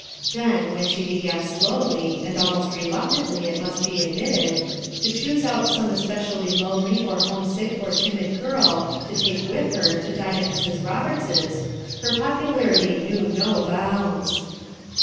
Then, when die began slowly, and almost reluctantly it must be admitted, to A LOYAL HEART 9 S9 choose out some especially lonely or homesick or timid girl to take with her to dine at Mrs. Roberts's, her popularity knew no bounds.